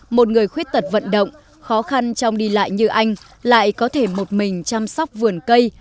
một người khuyết tật vận động khó khăn trong đi lại như anh lại có thể một mình chăm sóc vườn cây